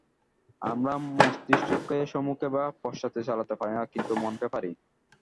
আমরা মস্তিষ্ককে সম্মুখে বা পশ্চাতে চালাতে পারি না, কিন্তু মনকে পারি।